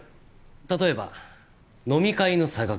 例えば飲み会の差額。